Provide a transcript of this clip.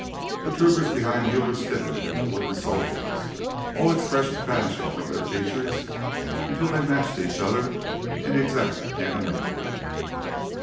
The troopers behind Muller stiffened into wooden soldiers, all expression vanishing from their features until they matched each other in exact anonymity.